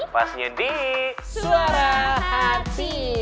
pastinya di suara hati